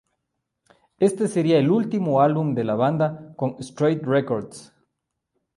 Este sería el último álbum de la banda con Straight Records.